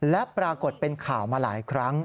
และปรากฏเป็นข่าวมาหลายครั้ง